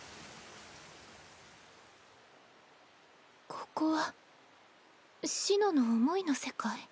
ここは紫乃の思いの世界？